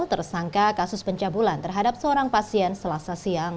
tersangka kasus pencabulan terhadap seorang pasien selasa siang